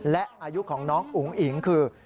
และอายุของน้องอุ๋งอิ๋งคือ